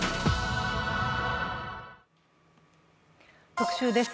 「特集」です。